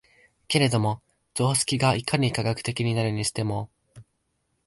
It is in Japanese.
けれども常識がいかに科学的になるにしても、